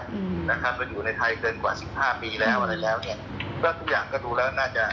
อืมนะครับมันอยู่ในไทยเกินกว่าสิบห้าปีแล้วอะไรแล้วเนี้ยก็ทุกอย่างก็ดูแล้วน่าจะ